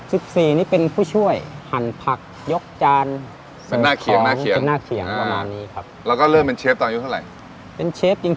สิบสี่นี่เป็นผู้ช่วยหั่นผักยกจานหน้าเคียงหน้าเคียง